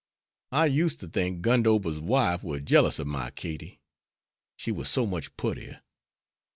I used to think Gundover's wife war jealous ob my Katie. She war so much puttier.